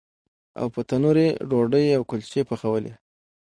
او په تنور یې ډوډۍ او کلچې پخولې.